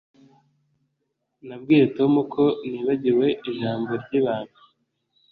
Nabwiye Tom ko nibagiwe ijambo ryibanga